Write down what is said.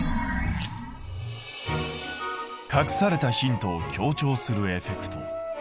隠されたヒントを強調するエフェクト。